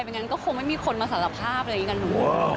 งั้นก็คงไม่มีคนมาสารภาพอะไรอย่างนี้กับหนู